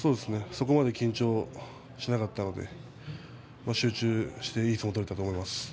そこまで緊張しなかったので集中していい相撲が取れたと思います。